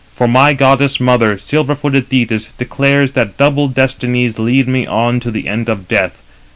For my goddess mother, silver footed Thetis, declares that double destinies lead me on to the end of death.